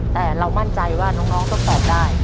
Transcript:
แต่เรามั่นใจว่าน้องต้องตอบได้